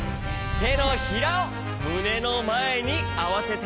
てのひらをむねのまえにあわせて。